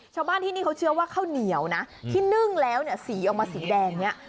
ชาวบ้านที่นี่เขาเชื่อว่าข้าวเหนียวนะที่นึ่งแล้วเนี่ยสีออกมาสีแดงเนี่ย